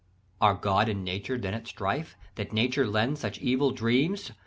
"Are God and Nature then at strife, That Nature lends such evil dreams?